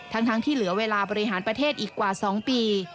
ทั้งที่เหลือเวลาบริหารประเทศอีกกว่า๒ปี